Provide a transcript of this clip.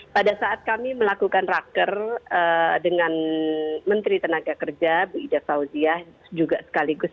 pada saat kami melakukan raker dengan menteri tenaga kerja bu ida fauziah juga sekaligus